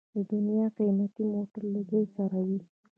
د دنیا قیمتي موټر له دوی سره وي.